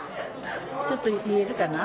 ちょっと言えるかな？